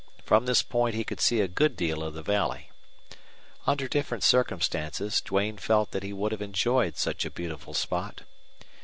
From this point he could see a good deal of the valley. Under different circumstances Duane felt that he would have enjoyed such a beautiful spot.